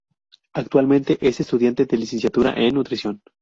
Actualmente es estudiante de Licenciatura en Nutrición.